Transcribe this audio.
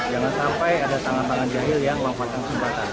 jangan sampai ada tangan tangan jahil yang memanfaatkan kesempatan